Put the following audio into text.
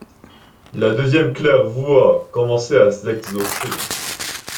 La deuxième claire-voie commençait à s’exhausser.